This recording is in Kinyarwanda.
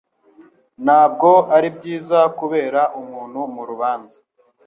Nta bwo ari byiza kubera umuntu mu rubanza